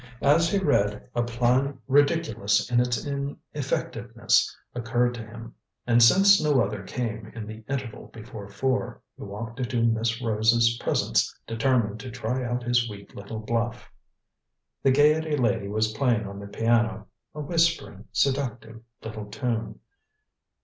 As he read, a plan ridiculous in its ineffectiveness occurred to him. And since no other came in the interval before four, he walked into Miss Rose's presence determined to try out his weak little bluff. The Gaiety lady was playing on the piano a whispering, seductive little tune.